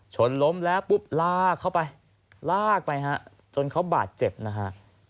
ชนล้มแล้วปุ๊บลากเข้าไปลากไปฮะจนเขาบาดเจ็บนะฮะ